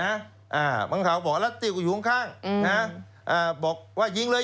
อ่าบางข่าวบอกแล้วติ้วก็อยู่ข้างข้างอืมนะอ่าบอกว่ายิงเลย